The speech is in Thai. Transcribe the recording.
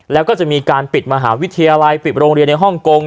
แล้วก็จะมีการปิดมหาวิทยาลัยปิดโรงเรียนในฮ่องกง